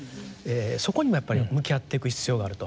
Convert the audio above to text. そこにもやっぱり向き合っていく必要があると。